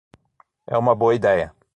É uma boa ideia!